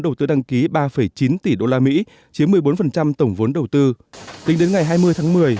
đầu tư đăng ký ba chín tỷ đô la mỹ chiếm một mươi bốn tổng vốn đầu tư tính đến ngày hai mươi tháng một mươi